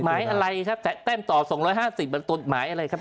หมายอะไรครับแต้มต่อ๒๕๐มันกฎหมายอะไรครับ